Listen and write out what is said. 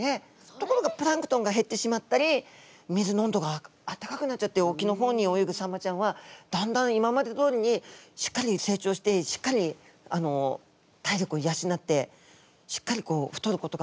ところがプランクトンが減ってしまったり水の温度があったかくなっちゃって沖の方に泳ぐサンマちゃんはだんだん今までどおりにしっかり成長してしっかり体力を養ってしっかりこう太ることがむずかしくなってるみたい。